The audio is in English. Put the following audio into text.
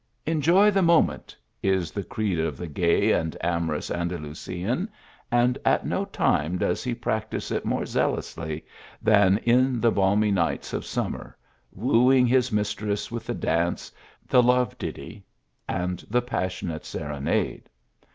" Enjoy the moment," is the creed of the gay and amorous Andalusian, and at. no time does he practise it more zealously than in 78 THE AL1IAMBRA. the balmy nights of summer, wooing his "mistress vith the dance, the love ditty and the passionate Serenade.